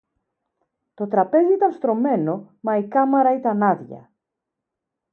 Το τραπέζι ήταν στρωμένο μα η κάμαρα ήταν άδεια.